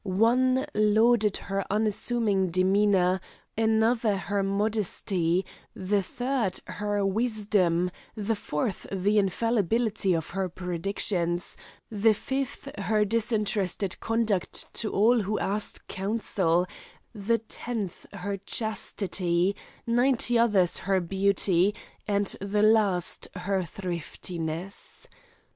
One lauded her unassuming demeanour, another her modesty, the third her wisdom, the fourth the infallibility of her predictions, the fifth her disinterested conduct to all who asked counsel, the tenth her chastity, ninety others her beauty, and the last her thriftiness.